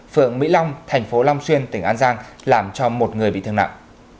phường mỹ long thành phố long xuyên tỉnh an giang làm cho một người bị thương nặng